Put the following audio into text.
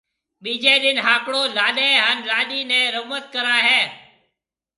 ٻيجيَ ڏِن ھاڪݪو لاڏَي ھان لاڏِي نيَ رمت ڪرائيَ ھيََََ